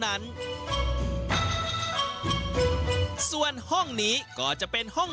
อ่า